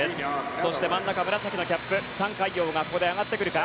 そして、真ん中、紫のキャップタン・カイヨウが上がってくるか。